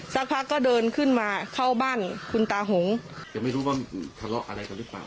สักพักก็เดินขึ้นมาเข้าบ้านคุณตาหงแต่ไม่รู้ว่าทะเลาะอะไรกันหรือเปล่า